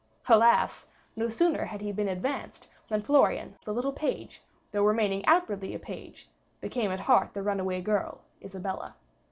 Alas! no sooner had he been advanced, than Florian the little page, though remaining outwardly a page, became at heart the runaway girl, Isabella.